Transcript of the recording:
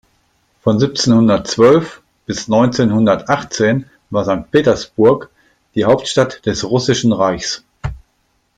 Von siebzehnhundertzwölf bis neunzehnhundertachtzehn war Sankt Petersburg die Hauptstadt des Russischen Reichs.